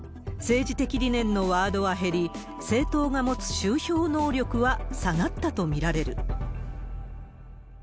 政治的理念のワードは減り、政党が持つ集票能力は下がったと見られる。